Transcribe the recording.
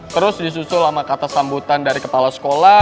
terus disusul sama kata sambutan dari kepala sekolah